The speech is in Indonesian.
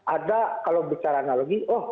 ada kalau bicara analogi oh